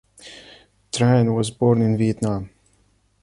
Tran was born in Vietnam.